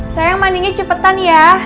sayang mandinya cepetan ya